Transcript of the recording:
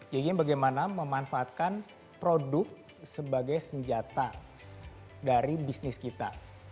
jadi bagaimana memanfaatkan produk sebagai senjata dari bisnis kita